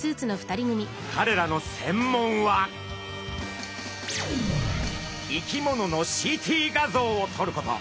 かれらの専門は生き物のＣＴ画像をとること。